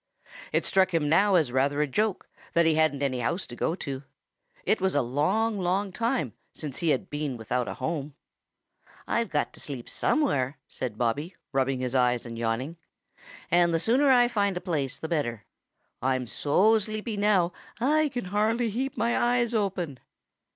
It struck him now as rather a joke that he hadn't any house to go to. It was a long, long time since he had been without a home. "I've got to sleep somewhere," said Bobby, rubbing his eyes and yawning, "and the sooner I find a place, the better. I'm so sleepy now I can hardly keep my eyes open.